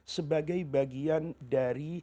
sebagai bagian dari